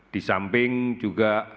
di samping juga